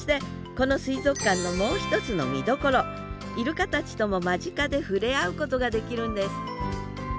この水族館のもう一つの見どころイルカたちとも間近で触れ合うことができるんです